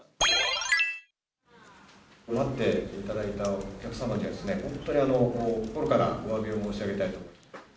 待っていただいたお客様には、本当に心からおわびを申し上げたいと。